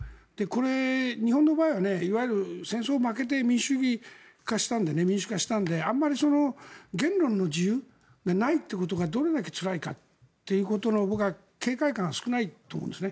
これ、日本の場合はいわゆる戦争に負けて民主化したのであんまり言論の自由がないということがどれだけつらいかということの僕は警戒感が少ないと思うんです。